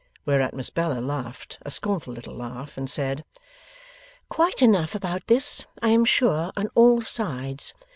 Whereat Miss Bella laughed a scornful little laugh and said: 'Quite enough about this, I am sure, on all sides.